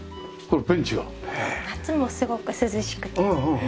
夏もすごく涼しくて。